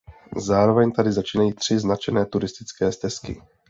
Zároveň tady začínají tři značené turistické stezky.